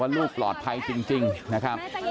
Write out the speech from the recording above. ลูกปลอดภัยจริงนะครับ